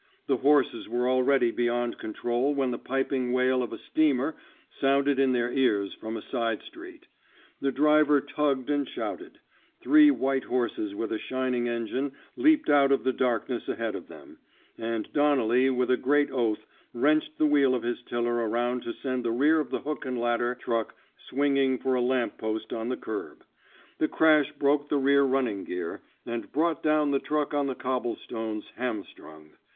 The horses were already beyond control when the piping wail of a steamer '* sounded in their ears from a side street; the driver tagged and shouted; three white horses with a shining engine leaped out of the darkness ahead of them, and Donnelly, with a great oath, wrenched the wheel of his tiller around to send the rear of the hook and ladder truck swinging for a lamp post on the curb. The crash broke the rear running gear, and brought down the truck on the cobblestones, hamstrung.